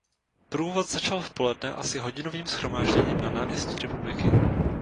Průvod začal v poledne asi hodinovým shromážděním na náměstí Republiky.